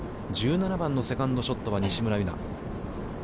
１７番のセカンドショットは、西村優菜。